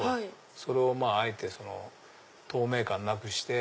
それをあえて透明感なくして。